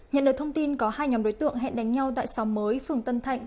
nhận được thông tin có hai nhóm đối tượng hẹn đánh nhau tại xóm mới phường tân thạnh